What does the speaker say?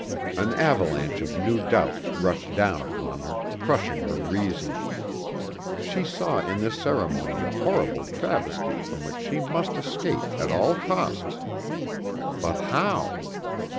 An avalanche of new doubts rushed down upon her, crushing her reason. She saw in this ceremony a horrible travesty from which she must escape at all costs.... But how?